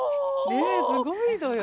ねえすごいのよ